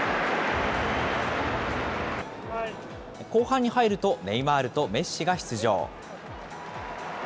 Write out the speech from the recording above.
後半に入ると、ネイマールとメッシが出場。